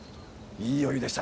いいお湯でしたね。